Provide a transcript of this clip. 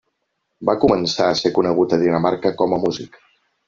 Va començar a ser conegut a Dinamarca com a músic.